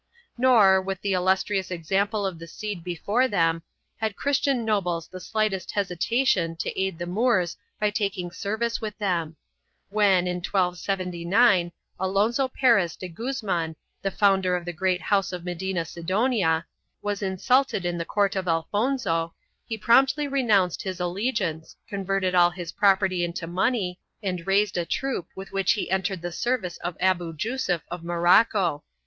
Nor, with the illustrious example of the Cid before them, had Christian nobles the slightest hesitation to aid the Moors by taking service with them. When, in 1279, Alonso Perez de Guzman, the founder of the great house of Medina Sidonia, was insulted in the court of Alfonso, he promptly renounced his allegiance, converted all his property into money, and raised a troop with which he entered the service of Abu Jusuf of Morocco.